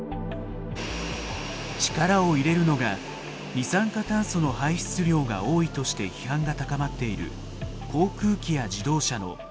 力を入れるのが二酸化炭素の排出量が多いとして批判が高まっている航空機や自動車の脱石油化です。